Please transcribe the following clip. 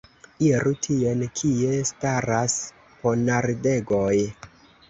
Iru tien, kie staras ponardegoj!